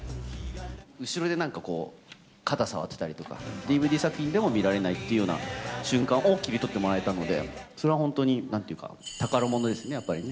後ろでなんかこう、肩触ってたりとか、ＤＶＤ作品でも見られないっていうような瞬間を切り取ってもらえたので、それは本当になんて言うか、宝物ですね、やっぱりね。